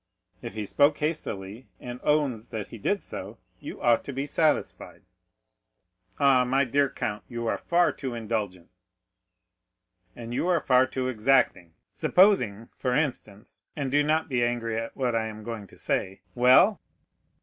"If he spoke hastily, and owns that he did so, you ought to be satisfied." "Ah, my dear count, you are far too indulgent." "And you are far too exacting. Supposing, for instance, and do not be angry at what I am going to say——" "Well."